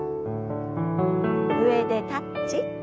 上でタッチ。